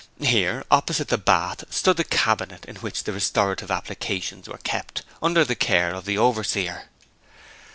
Here, opposite the bath, stood the cabinet in which the restorative applications were kept, under the care of the overseer.